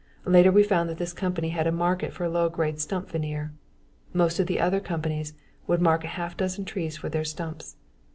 Later we found that this company had a market for low grade stump veneer. Most of the other companies would mark a half dozen trees for their stumps.